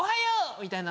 みたいな。